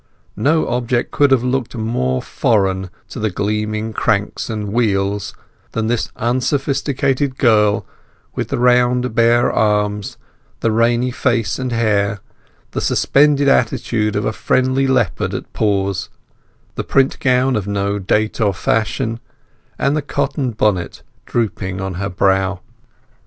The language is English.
No object could have looked more foreign to the gleaming cranks and wheels than this unsophisticated girl, with the round bare arms, the rainy face and hair, the suspended attitude of a friendly leopard at pause, the print gown of no date or fashion, and the cotton bonnet drooping on her brow.